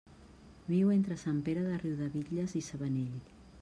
Viu entre Sant Pere de Riudebitlles i Sabanell.